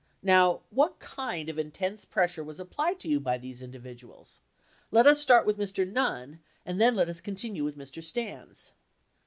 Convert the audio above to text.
Row, what kind of intense pressure was applied to you by these individuals? Let us start with Mr. Runn, and then let us continue with Mr. Stans.